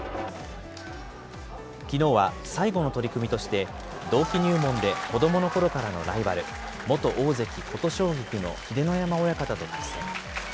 きのうは最後の取組として、同期入門で子どものころからのライバル、元大関・琴奨菊の秀ノ山親方と対戦。